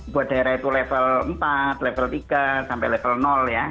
buat daerah itu level empat level tiga sampai level ya